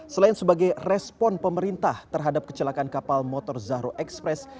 selain sebagai respon pemerintah terhadap kecelakaan kapal motor zahro express